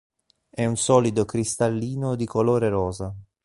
È un solido cristallino di colore rosa.